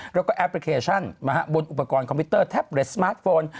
แล้วก็แอปพลิเคชันบนอุปกรณ์คอมพิวเตอร์แท็บเล็สมาร์ทโฟน